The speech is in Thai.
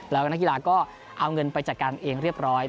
แล้วก็นักกีฬาก็เอาเงินไปจัดการเองเรียบร้อย